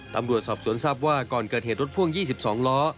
ตำรวจสอบสวนทราบว่าก่อนเกิดเหตุรถพ่วง๒๒ล้อ